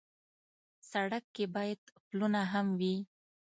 سړک کې باید پلونه هم وي.